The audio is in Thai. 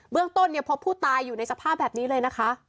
เรื่องต้นเนี่ยพบผู้ตายอยู่ในสภาพแบบนี้เลยนะคะ